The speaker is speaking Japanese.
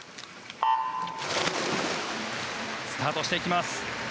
スタートしていきます。